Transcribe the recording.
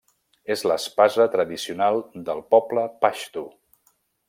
És l'espasa tradicional del poble paixtu.